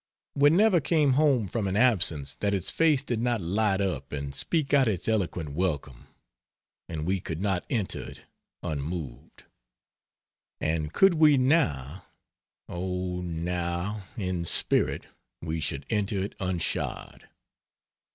We never came home from an absence that its face did not light up and speak out its eloquent welcome and we could not enter it unmoved. And could we now, oh, now, in spirit we should enter it unshod.